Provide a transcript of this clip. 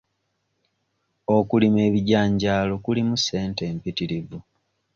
Okulima ebijanjaalo kulimu ssente mpitirivu.